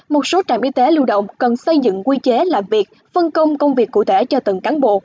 một số trạm y tế lưu động cần xây dựng quy chế làm việc phân công công việc cụ thể cho từng cán bộ